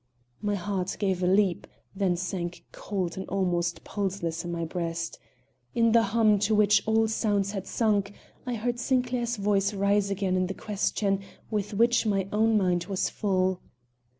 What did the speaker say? My heart gave a leap, then sank cold and almost pulseless in my breast. In the hum to which all sounds had sunk, I heard Sinclair's voice rise again in the question with which my own mind was full.